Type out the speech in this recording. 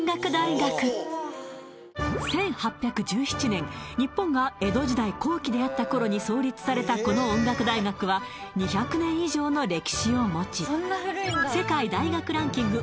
１８１７年日本が江戸時代後期であった頃に創立されたこの音楽大学は２００年以上の歴史を持ち世界大学ランキング